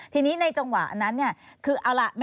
ทีนี้ในจังหวะนั้น